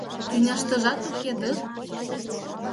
Тӱняштыжат уке, дыр?!